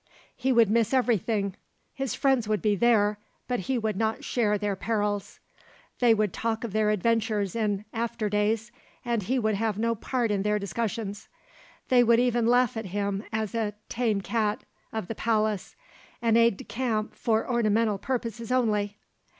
He would miss everything; his friends would be there, but he would not share their perils. They would talk of their adventures in after days and he would have no part in their discussions; they would even laugh at him as a "tame cat" of the palace, an aide de camp for ornamental purposes only.